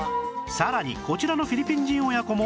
さらにこちらのフィリピン人親子も